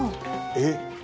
えっ！